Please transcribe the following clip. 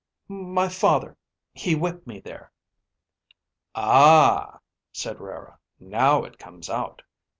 "My father he whipped me there." "Ah," said Rara. "Now it comes out.